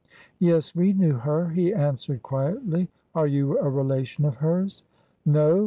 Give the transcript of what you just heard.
"Yes, we knew her," he answered quietly. "Are you a relation of hers?" "No."